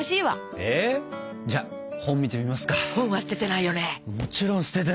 えっ？じゃあ本見てみますか？